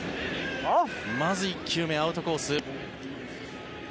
まず１球目、アウトコース。